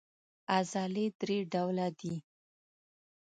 عضلې درې ډوله دي.